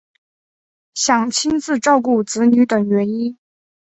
想亲自照顾子女等原因